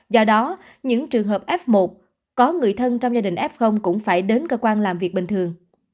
do đó những trường hợp f một có người thân trong gia đình f cũng phải đến cơ quan làm việc bình thường